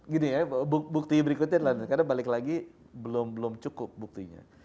gini ya bukti berikutnya adalah karena balik lagi belum cukup buktinya